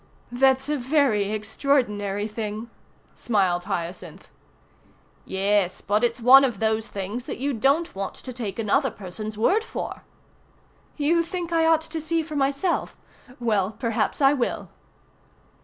"That's a very extraordinary thing," smiled Hyacinth. "Yes, but it's one of those things that you don't want to take another person's word for." "You think I ought to see for myself? Well, perhaps I will."